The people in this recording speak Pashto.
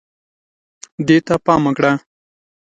دې ته پام وکړه